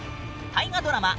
大河ドラマ